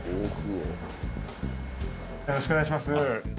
よろしくお願いします。